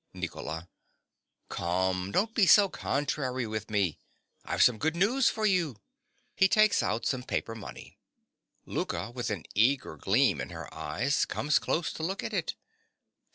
NICOLA. Come: don't be so contrary with me. I've some good news for you. (_He takes out some paper money. Louka, with an eager gleam in her eyes, comes close to look at it.